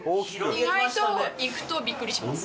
意外と行くとビックリします。